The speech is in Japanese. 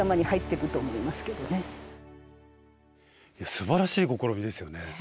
すばらしい試みですよね。